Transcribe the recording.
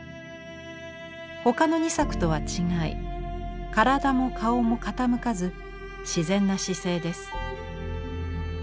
他の２作とは違い体も顔も傾かず自然な姿勢です。